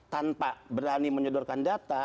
tanpa berani menyedorkan data